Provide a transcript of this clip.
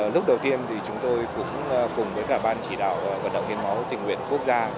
lúc đầu tiên chúng tôi cũng cùng với ban chỉ đạo vận động hiến máu tình nguyện quốc gia